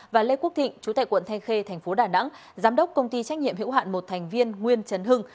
và lê quốc thịnh chú tại quận thanh khê thành phố đà nẵng giám đốc công ty trách nhiệm hữu hạn một thành viên nguyên trấn hưng